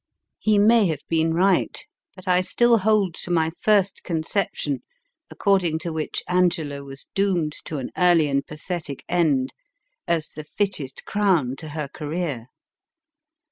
He may have been right, but I still hold to my first conception, according to which Angela was doomed to an early and pathetic end, as the fittest crown to her career.